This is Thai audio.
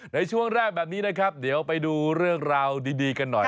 ในช่วงแรกแบบนี้นะครับเดี๋ยวไปดูเรื่องราวดีกันหน่อย